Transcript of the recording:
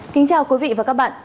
kính chào quý vị và các bạn